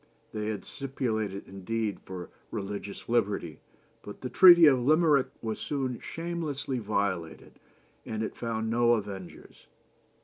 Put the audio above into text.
They had stipulated indeed for religious liberty, but the Treaty of Limerick was soon shamelessly violated, and it found no avengers.